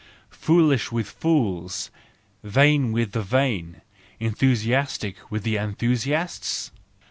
Foolish with fools, vain with the vain, enthusiastic with enthusiasts?